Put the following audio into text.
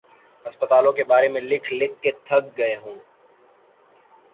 ہسپتالوں کے بارے میں لکھ لکھ کے تھک گئے ہوں۔